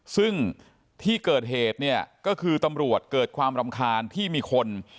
ซึ่งที่เกิดเหตุเนี่ยก็คือตำรวจเกิดความรำคาญที่มีคน